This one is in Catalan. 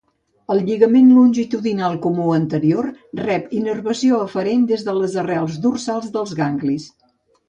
El lligament longitudinal comú anterior rep innervació aferent des de les arrels dorsals dels ganglis.